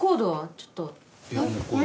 ちょっと。